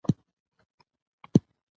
لوستونکی هم معنوي وده کوي.